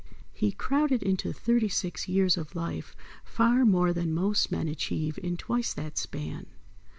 He crowded into thirty six years of life far more than most men achieve in twice that span.